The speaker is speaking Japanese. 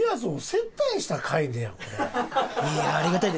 いやありがたいです